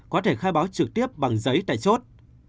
có thể khai báo trực tiếp bằng giấy tại chốt